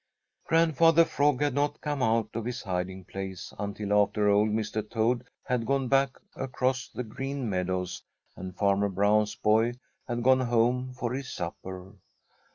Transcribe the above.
Grandfather Frog had not come out of his hiding place until after old Mr. Toad had gone back across the Green Meadows and Farmer Brown's boy had gone home for his supper.